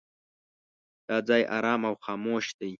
دا ځای ارام او خاموش دی.